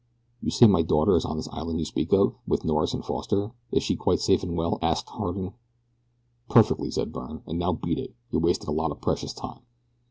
"You say my daughter is on this island you speak of, with Norris and Foster is she quite safe and well?" asked Harding. "Perfectly," said Byrne; "and now beat it you're wasting a lot of precious time."